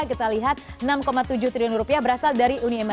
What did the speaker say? kita lihat enam tujuh triliun rupiah berasal dari indonesia